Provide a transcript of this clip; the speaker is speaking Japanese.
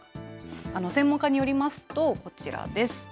専門家によりますと、こちらです。